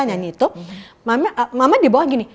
nyanyi itu mama di bawah gini